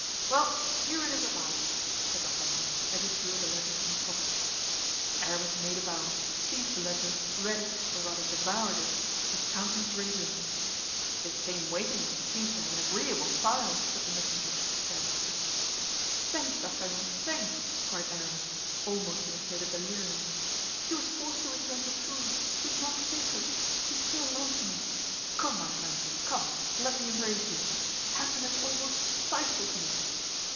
"Well, here it is at last!" said D'Artagnan, as he drew the letter from his pocket. Aramis made a bound, seized the letter, read it, or rather devoured it, his countenance radiant. "This same waiting maid seems to have an agreeable style," said the messenger, carelessly. "Thanks, D'Artagnan, thanks!" cried Aramis, almost in a state of delirium. "She was forced to return to Tours; she is not faithless; she still loves me! Come, my friend, come, let me embrace you. Happiness almost stifles me!"